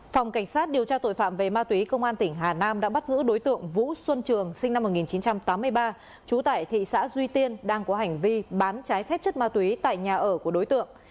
phòng cảnh sát điều tra tội phạm về ma túy công an tỉnh hà nam đã bắt giữ đối tượng vũ xuân trường sinh năm một nghìn chín trăm tám mươi ba trú tại thị xã duy tiên đang có hành vi bán trái phép chất ma túy tại nhà ở của đối tượng